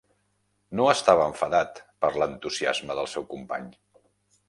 No estava enfadat per l'entusiasme del seu company.